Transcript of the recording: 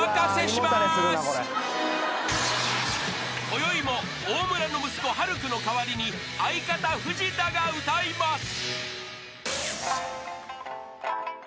［こよいも大村の息子晴空の代わりに相方藤田が歌います］